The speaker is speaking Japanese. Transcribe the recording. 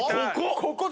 ここ！